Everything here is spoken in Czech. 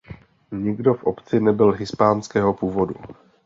Nikdo v obci nebyl hispánského původu.